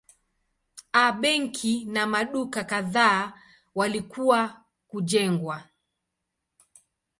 A benki na maduka kadhaa walikuwa kujengwa.